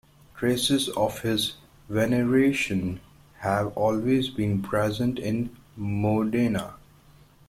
Traces of his veneration have always been present in Modena.